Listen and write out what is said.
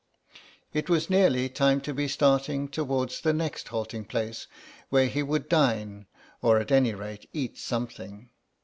It was nearly time to be starting towards the next halting place where he would dine or at any rate eat something.